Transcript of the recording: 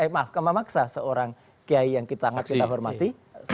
maaf kememaksa seorang kiai yang kita hormati